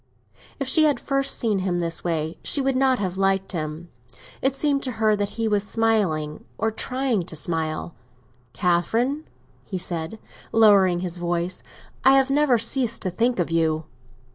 If she had first seen him this way she would not have liked him. It seemed to her that he was smiling, or trying to smile. "Catherine," he said, lowering his voice, "I have never ceased to think of you."